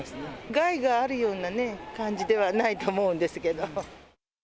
害があるようなね、感じではないと思うんですけど。